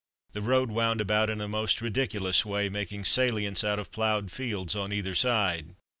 The road wound about in a most ridiculous way, making salients out of ploughed fields on either side.